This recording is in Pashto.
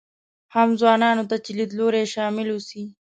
هم ځوانانو ته چې لیدلوري شامل اوسي.